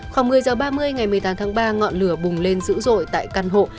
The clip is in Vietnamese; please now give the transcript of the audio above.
khoảng một mươi h ba mươi ngày một mươi tám tháng ba ngọn lửa bùng lên dữ dội tại căn hộ